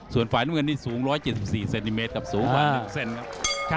ส่วนฝ่ายเมืองนี้สูง๑๗๔เซนติเมตรครับสูงฝ่าย๑เซนติเมตรครับ